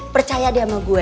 percaya dia sama gue